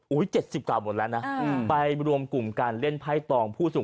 ๗๐กว่าหมดแล้วนะไปรวมกลุ่มการเล่นไพ่ตองผู้สูง